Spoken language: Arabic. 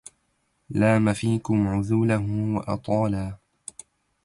لام فيكم عذوله وأطالا